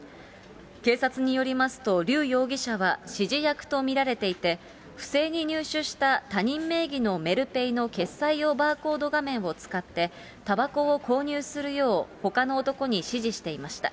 警察によりますと、劉容疑者は指示役と見られていて、不正に入手した他人名義のメルペイの決済用バーコード画面を使って、たばこを購入するよう、ほかの男に指示していました。